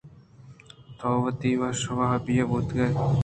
تو وتی وش وابی ءَ بوتگ اِت